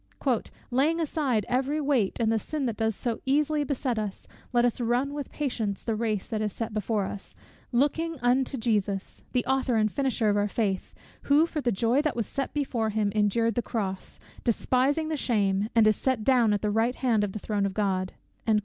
"Laying aside every weight, and the sin that does so easily beset us; let us run with patience the race that is set before us, LOOKING UNTO JESUS, the Author and Finisher of our faith, who for the joy that was set before him endured the cross, despising the shame, and is set down at the right hand of the throne of God."